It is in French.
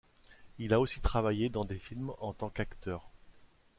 Il a aussi travaillé dans des films en tant qu'acteur.